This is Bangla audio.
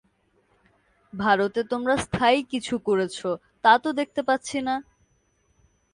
ভারতে তোমরা স্থায়ী কিছু করেছ, তা তো দেখতে পাচ্ছি না।